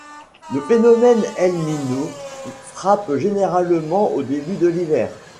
Le phénomène El Niño frappe généralement au début de l’hiver.